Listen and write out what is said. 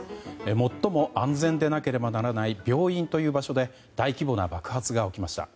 最も安全でなければならない病院という場所で大規模な爆発が起きました。